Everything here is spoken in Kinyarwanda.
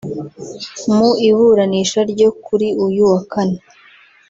Mu iburanisha ryo kuri uyu wa Kane